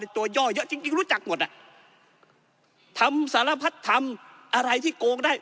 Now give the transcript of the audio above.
ตัวย่อเยอะจริงรู้จักหมดอ่ะถามสารพัฒน์ถามอะไรที่โกงได้